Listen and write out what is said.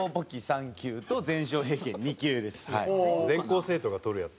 僕は全校生徒が取るやつ。